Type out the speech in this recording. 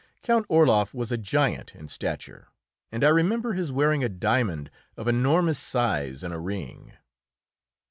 Count Orloff was a giant in stature, and I remember his wearing a diamond of enormous size in a ring.